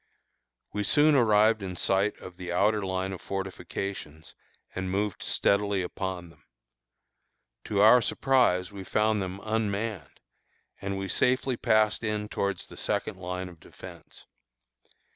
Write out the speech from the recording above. We soon arrived in sight of the outer line of fortifications, and moved steadily upon them. To our surprise, we found them unmanned, and we safely passed in towards the second line of defence.